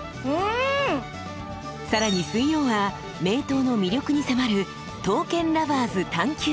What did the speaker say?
更に水曜は名刀の魅力に迫る「刀剣Ｌｏｖｅｒｓ探究」。